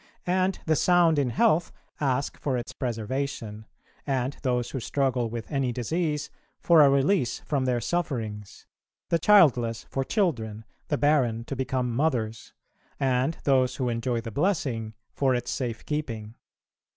And the sound in health ask for its preservation, and those who struggle with any disease for a release from their sufferings; the childless for children, the barren to become mothers, and those who enjoy the blessing for its safe keeping.